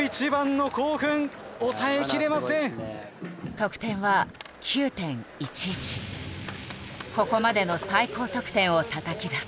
得点はここまでの最高得点をたたき出す。